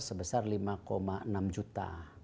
sebesar lima enam juta